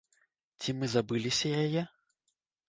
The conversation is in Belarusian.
Ці мы забыліся яе?